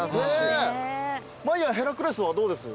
まいやんヘラクレスはどうです？